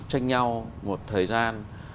tranh nhau một thời gian